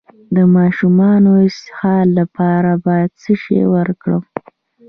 د ماشوم د اسهال لپاره باید څه شی ورکړم؟